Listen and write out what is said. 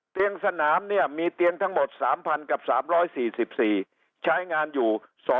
สนามเนี่ยมีเตียงทั้งหมด๓๐๐กับ๓๔๔ใช้งานอยู่